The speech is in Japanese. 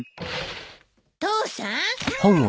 父さん！